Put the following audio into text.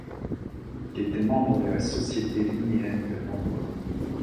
Il était membre de la Société linnéenne de Londres.